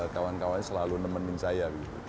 kawan kawannya selalu nemenin saya